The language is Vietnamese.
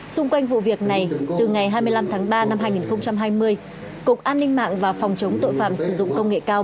xung quanh vụ việc này từ ngày hai mươi năm tháng ba năm hai nghìn hai mươi cục an ninh mạng và phòng chống tội phạm sử dụng công nghệ cao